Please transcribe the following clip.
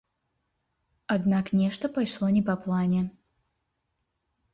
Аднак нешта пайшло не па плане.